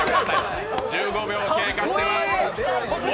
１５秒、経過しています。